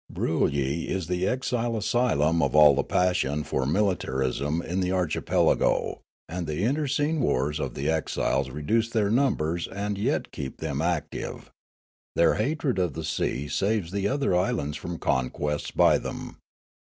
384 Riallaro Broolyi is the exile asylum of all the passion for mili tarism in the archipelago, and the internecine wars of the exiles reduce their numbers and yet keep them active ; their hatred of the sea saves the other islands from conquest by them.